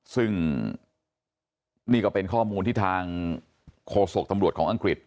ซึ่งนี่ก็เป็นข้อมูลที่ทางโฆษกตำรวจของอังกฤษ